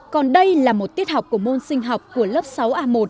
còn đây là một tiết học của môn sinh học của lớp sáu a một